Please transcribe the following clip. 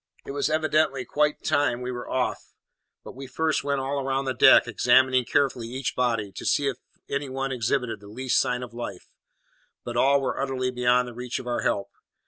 It was evidently quite time we were off; but we first went all round the deck, examining carefully each body, to see if any one exhibited the least sign of life; but all were utterly beyond the reach of our help.